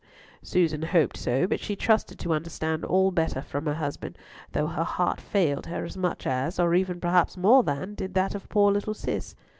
Susan hoped so, but she trusted to understand all better from her husband, though her heart failed her as much as, or even perhaps more than, did that of poor little Cis.